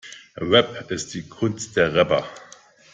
Rap ist die Kunst der Rapper.